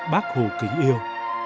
bác hồ kính yêu